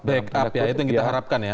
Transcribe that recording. itu yang kita harapkan ya